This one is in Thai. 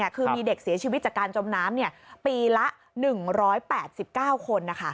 คือมีเด็กเสียชีวิตจากการจมน้ำปีละ๑๘๙คน